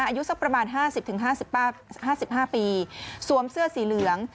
อายุสักประมาณ๕๐๕๕ปีสวมเสื้อสีเหลือง